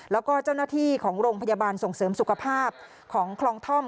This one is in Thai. แล้วก็เจ้าหน้าที่ของโรงพยาบาลส่งเสริมสุขภาพของคลองท่อม